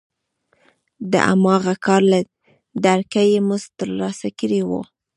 د هماغه کار له درکه یې مزد ترلاسه کړی وي